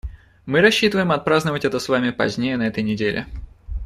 Мы рассчитываем отпраздновать это с вами позднее на этой неделе.